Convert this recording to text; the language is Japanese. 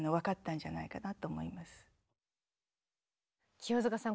清塚さん